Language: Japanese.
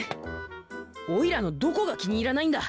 おいらのどこがきにいらないんだ？